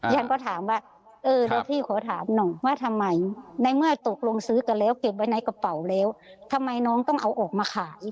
ฉันก็ถามว่าเออเดี๋ยวพี่ขอถามหน่อยว่าทำไมในเมื่อตกลงซื้อกันแล้วเก็บไว้ในกระเป๋าแล้วทำไมน้องต้องเอาออกมาขาย